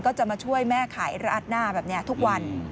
ก็จะมาช่วยแม่ขายละอัดน่าแบบเนี้ยทุกวัน